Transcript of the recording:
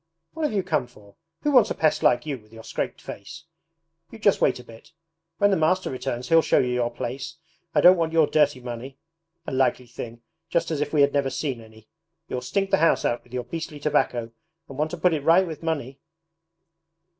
'What have you come for? Who wants a pest like you, with your scraped face? You just wait a bit; when the master returns he'll show you your place. I don't want your dirty money! A likely thing just as if we had never seen any! You'll stink the house out with your beastly tobacco and want to put it right with money!